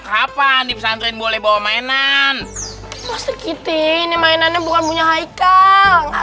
kapan dipesan tren boleh bawa mainan masih gede ini mainannya bukan punya haikal enggak